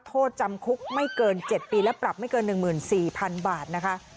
โทษจำคุกไม่เกิน๗ปีและปรับไม่เกิน๑๔๐๐๐บาทนะคะ